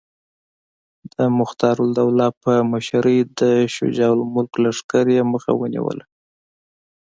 د مختارالدوله په مشرۍ د شجاع الملک لښکر یې مخه ونیوله.